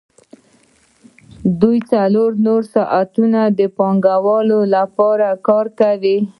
دوی څلور نور ساعتونه د پانګوال لپاره کار کاوه